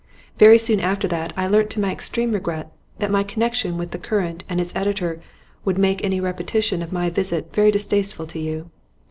Very soon after that I learnt to my extreme regret that my connection with The Current and its editor would make any repetition of my visit very distasteful to you.